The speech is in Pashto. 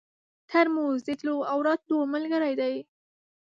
ترموز د تللو او راتلو ملګری دی.